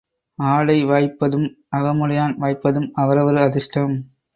ஆடை வாய்ப்பதும் அகமுடையான் வாய்ப்பதும் அவரவர் அதிர்ஷ்டம்.